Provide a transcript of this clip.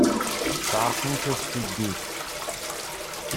Sɛerqent-as tiddit.